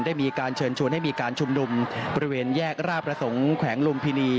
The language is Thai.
ได้มีการเชิญชวนให้มีการชุมนุมบริเวณแยกราชประสงค์แขวงลุมพินี